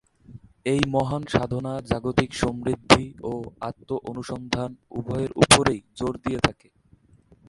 এই মহান সাধনা জাগতিক সমৃদ্ধি ও আত্ম-অনুসন্ধান উভয়ের উপরই জোর দিয়ে থাকে।